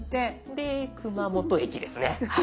で熊本駅ですね。